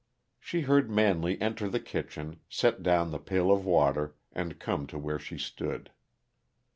She heard Manley enter the kitchen, set down the pail of water, and come on to where she stood.